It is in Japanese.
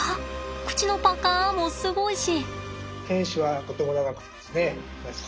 口のパカもすごいし。